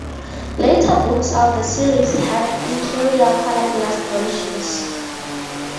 Later books of the series had interior color illustrations.